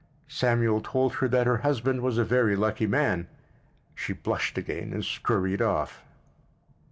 Samuel told her that her husband was a very lucky man. She blushed again and scurried off.